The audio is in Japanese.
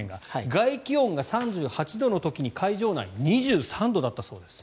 外気温が３８度の時に会場内、２３度だったそうです。